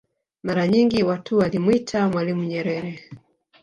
Mara nyingi watu walimwita mwalimu Nyerere